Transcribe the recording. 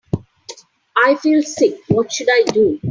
I feel sick, what should I do?